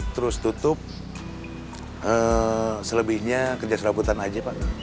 terus tutup selebihnya kerja serabutan aja pak